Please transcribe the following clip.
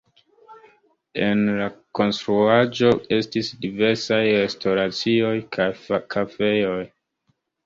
En la konstruaĵo estis diversaj restoracioj kaj kafejoj.